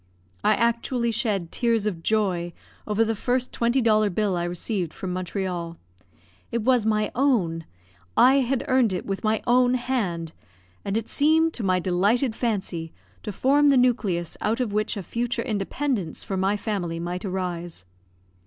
I actually shed tears of joy over the first twenty dollar bill I received from Montreal. It was my own; I had earned it with my own hand; and it seemed to my delighted fancy to form the nucleus out of which a future independence for my family might arise.